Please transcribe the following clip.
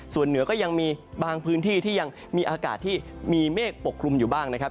ส่วนเหนือก็ยังมีบางพื้นที่ที่ยังมีอากาศที่มีเมฆปกคลุมอยู่บ้างนะครับ